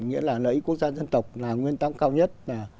nghĩa là lấy quốc gia dân tộc là nguyên tắc cao nhất